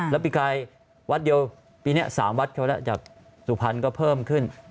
แล้วปีกายวัดเดียวปีนี้๓วัดเขาแล้วจากสุพรรณก็เพิ่มขึ้น